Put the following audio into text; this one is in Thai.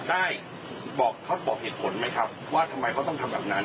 ได้บอกเขาบอกเหตุผลไหมครับว่าทำไมเขาต้องทำแบบนั้น